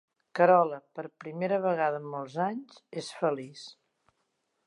Carola, per primera vegada en molts anys, és feliç.